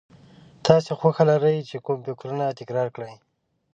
تاسې خوښه لرئ چې کوم فکرونه تکرار کړئ.